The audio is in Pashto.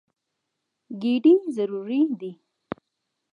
ګېډې ضروري دي.